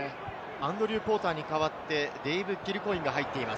アンドリュー・ポーターに代わって、キルコインが入っています。